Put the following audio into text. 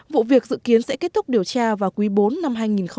vụ việc dự kiến sẽ kết thúc điều tra vào quý bốn năm hai nghìn một mươi chín